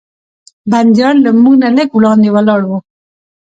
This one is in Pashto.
بندیان له موږ نه لږ وړاندې ولاړ و.